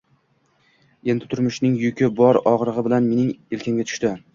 Endi turmushning yuki bor og`irligi bilan mening elkamga tushdi